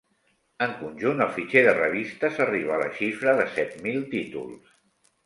En conjunt, el fitxer de revistes arriba a la xifra de set mil títols.